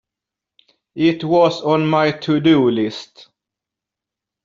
It was on my to-do list.